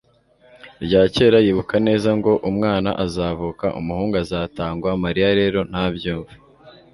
rya kera yibuka neza ngo « umwana azavuka, umuhungu azatangwa ». mariya rero ntabyumva